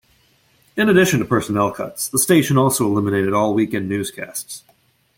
In addition to personnel cuts, the station also eliminated all weekend newscasts.